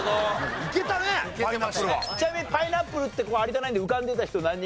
ちなみにパイナップルって有田ナインで浮かんでた人何人。